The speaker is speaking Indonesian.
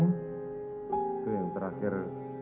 itu yang terakhir